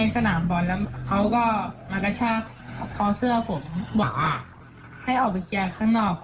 ในสนามบอลแล้วเขาก็มากระชากคอเสื้อผมวะให้ออกไปแจกข้างนอก